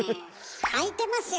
「はいてますよ！」